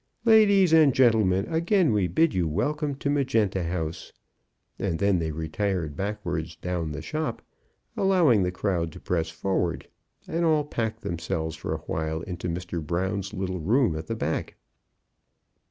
"Ladies and gentlemen, again we bid you welcome to Magenta House." And then they retired backwards down the shop, allowing the crowd to press forward, and all packed themselves for awhile into Mr. Brown's little room at the back.